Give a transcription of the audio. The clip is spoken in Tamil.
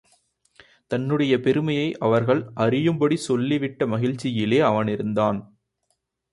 தன்னுடைய பெருமையை அவர்கள் அறியும்படி சொல்லிவிட்ட மகிழ்ச்சியிலே அவன் இருந்தான்.